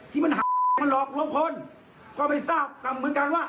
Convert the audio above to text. ที่มันมันหลอกลงคนก็ไม่ทราบแก่ว่า